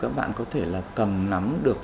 của các bạn có thể là cầm nắm được